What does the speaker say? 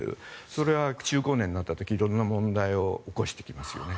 それは中高年になった時色んな問題を起こしてきますよね。